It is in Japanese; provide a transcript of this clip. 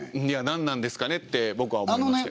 何なんですかねって僕は思いますよ。